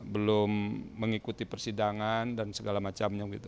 belum mengikuti persidangan dan segala macamnya gitu